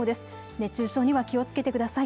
熱中症には気をつけてください。